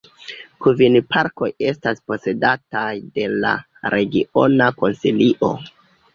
Kvin parkoj estas posedataj de la regiona konsilio.